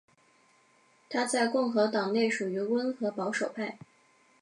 他在共和党内属于温和保守派。